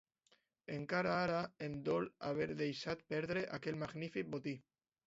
Encara ara em dol haver deixat perdre aquell magnífic botí.